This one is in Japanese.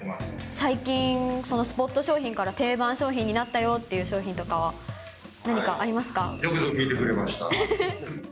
最近、そのスポット商品から定番商品になったよっていう商品とかは何かありますか？